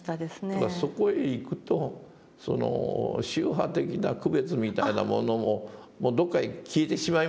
ただそこへいくと宗派的な区別みたいなものももうどこかへ消えてしまいますね。